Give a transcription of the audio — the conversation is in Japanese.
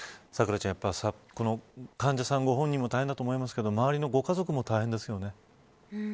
咲楽ちゃん、患者さんご本人も大変だと思いますけれど周りのご家族も大変ですよね。